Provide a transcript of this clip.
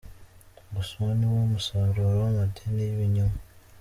gusa uwo niwo musaruro w’amadini y’ibinyoma.